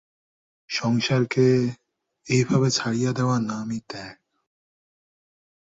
সংসারকে এইভাবে ছাড়িয়া দেওয়ার নামই ত্যাগ।